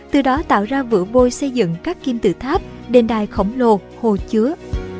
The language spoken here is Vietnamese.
từ đó tạo ra vừa bôi xây dựng các kim tự tháp đền đài khổng lồ hồ chứa